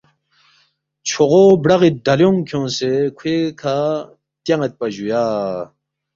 چھوغو برَغی ڈلیُونگ کھیونگسے کھوے کھہ تیان٘یدپا جُویا